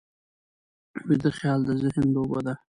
ویده خیال د ذهن لوبه ده